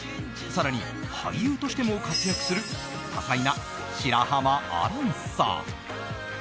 更に、俳優としても活躍する多才な白濱亜嵐さん。